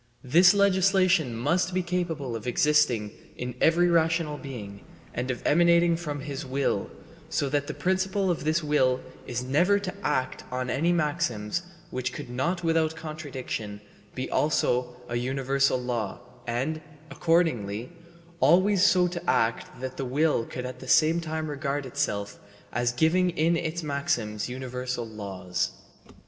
This legislation must be capable of existing in every rational being and of emanating from his will, so that the principle of this will is never to act on any maxim which could not without contradiction be also a universal law and, accordingly, always so to act that the will could at the same time regard itself as giving in its maxims universal laws.